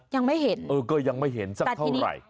ยังไม่เห็นเออก็ยังไม่เห็นสักเท่าไหร่